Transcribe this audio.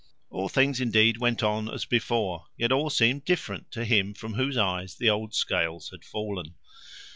All things indeed went on as before, yet all seemed different to him from whose eyes the old scales had fallen.